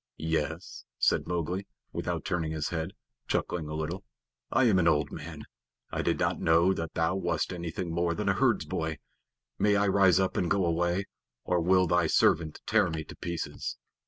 "Yes," said Mowgli, without turning his head, chuckling a little. "I am an old man. I did not know that thou wast anything more than a herdsboy. May I rise up and go away, or will thy servant tear me to pieces?"